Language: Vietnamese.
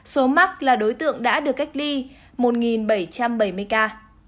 số mắc là đối tượng đã được cách ly một bảy trăm bảy mươi ca